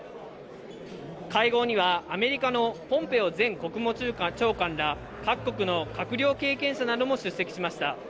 会合には、アメリカのポンペオ前国務長官ら各国の閣僚関係者なども出席しました。